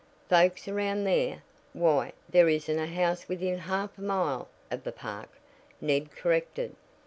"Folks around there? Why, there isn't a house within half a mile of the park," Ned corrected.